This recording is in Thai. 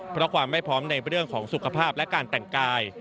เพราะความไม่พร้อมในเรื่องของสุขภาพและการแต่งกาย